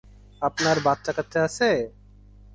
আপনার বাচ্চাকাচ্চা আছে?